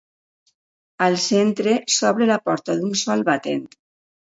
Al centre s'obre la porta d'un sol batent.